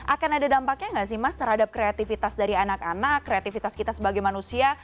akan ada dampaknya nggak sih mas terhadap kreativitas dari anak anak kreativitas kita sebagai manusia